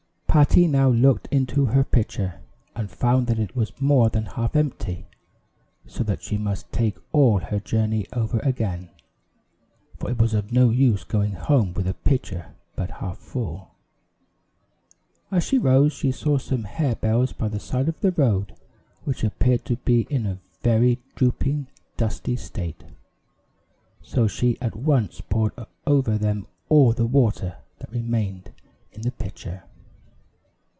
Patty now looked into her pitcher and found that it was more than half empty, so that she must take all her journey over again; for it was of no use going home with a pitcher but half full. As she rose, she saw some hare bells by the side of the road which appeared to be in a very drooping, dusty state, so she at once poured over them all the water that remained in the pitcher.